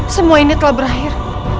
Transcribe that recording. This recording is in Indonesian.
semua ini telah berakhir